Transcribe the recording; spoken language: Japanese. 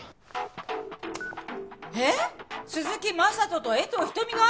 えっ鈴木昌人と江藤日登美が？